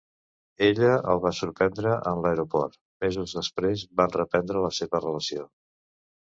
Ella el va sorprendre en l'aeroport, mesos després van reprendre la seva relació.